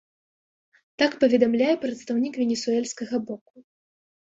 Так паведамляе прадстаўнік венесуэльскага боку.